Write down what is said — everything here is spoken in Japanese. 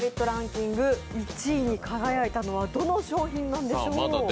ランキング１位に輝いたのはどの商品なんでしょう？